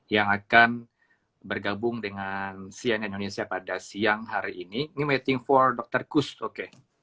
yang akan bergabung dengan cnn indonesia pada siang hari ini meeting for dr kusmedi